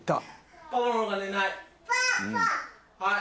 はい。